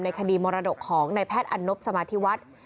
คดีมรดกของนายแพทย์อันนบสมาธิวัฒน์